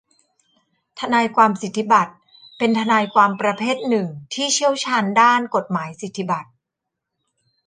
ทนายความสิทธิบัตรเป็นทนายความประเภทหนึ่งที่เชี่ยวชาญด้านกฎหมายสิทธิบัตร